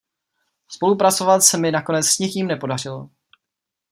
Spolupracovat se mi nakonec s nikým nepodařilo.